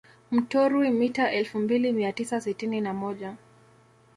Mtorwi mita elfu mbili mia tisa sitini na moja